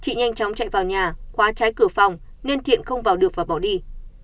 chị nhanh chóng chạy vào nhà khóa trái cửa phòng nên thiện không vào được và bỏ đi